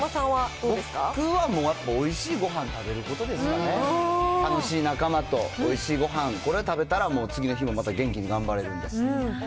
僕はもうやっぱ、おいしいごはん食べることですかね、楽しい仲間とおいしいごはん、これを食べたらもう次の日もまた元気に頑張れるんで。